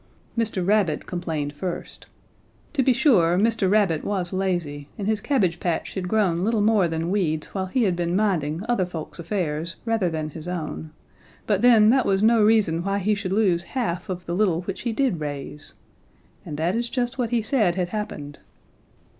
Mr. Rabbit complained first. To be sure, Mr. Rabbit was lazy and his cabbage patch had grown little more than weeds while he had been minding other folks' affairs rather than his own, but, then, that was no reason why he should lose half of the little which he did raise. And that is just what he said had happened.